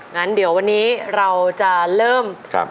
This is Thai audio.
งั้นเดี๋ยววันนี้เราจะเริ่ม